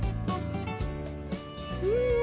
うん！